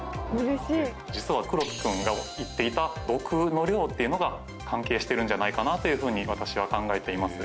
実は黒木君が言っていた毒の量というのが、関係してるんじゃないかなっていうふうに私は考えています。